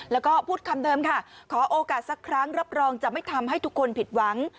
แล้วก็พูดคำเดิมค่ะขอโอกาสสักครั้งรับรองจะไม่ทำให้ทุกคนผิดหวัง